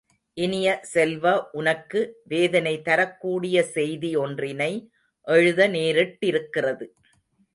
இனிய செல்வ உனக்கு வேதனை தரக்கூடிய செய்தி ஒன்றினை எழுத நேரிட்டிருக்கிறது.